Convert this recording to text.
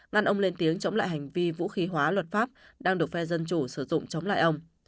ngăn ông lên tiếng chống lại hành vi vũ khí hóa luật pháp đang được phe dân chủ sử dụng chống lại ông